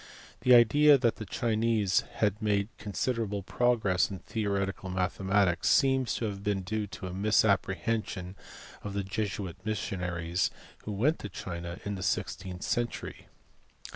The idea that the Chinese had made considerable progress in theoretical mathematics seems to have been due to a misapprehension of the Jesuit missionaries who went to China in the sixteenth century.